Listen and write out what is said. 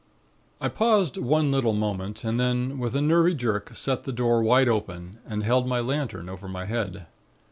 "I paused one little moment and then with a nervy jerk sent the door wide open and held my lantern over my head.